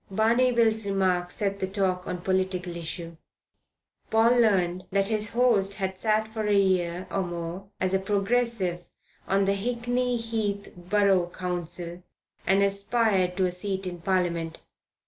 Barney Bill's remark set the talk on political lines. Paul learned that his host had sat for a year or more as a Progressive on the Hickney Heath Borough Council and aspired to a seat in Parliament.